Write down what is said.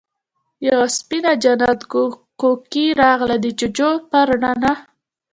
يوه سپينه جنت کوکۍ راغله، د جُوجُو پر رڼه ککری کېناسته، جُوجُو وخندل: